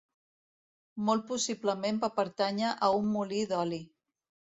Molt possiblement va pertànyer a un molí d'oli.